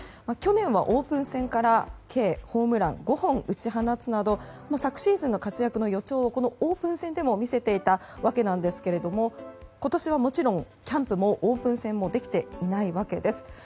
去年はオープン戦から計ホームラン５本打ち放つなど昨シーズンの活躍の予兆をオープン戦でも見せていたわけですが今年はもちろんキャンプもオープン戦もできていないわけです。